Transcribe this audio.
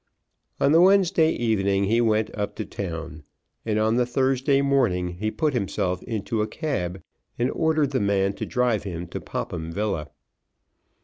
On the Wednesday evening he went up to town, and on the Thursday morning he put himself into a cab and ordered the man to drive him to Popham Villa.